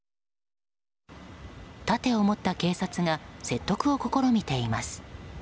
盾を持った警察が説得を試みています。